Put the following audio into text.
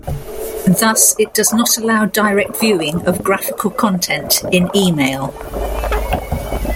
Thus it does not allow direct viewing of graphical content in email.